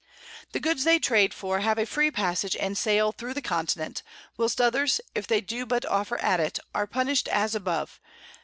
The Goods they trade for have a free Passage and Sale through the Continent, whilst others, if they do but offer at it, are punish'd as above.